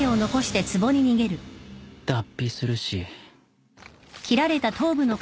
脱皮するし